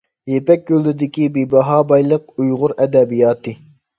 يىپەك يولىدىكى بىباھا بايلىق — ئۇيغۇر ئەدەبىياتى.